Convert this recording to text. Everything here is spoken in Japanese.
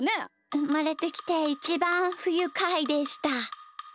うまれてきていちばんふゆかいでした。